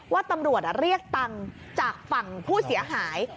ว่าตำรวจเรียกตังค์จากฝั่งผู้เสียหาย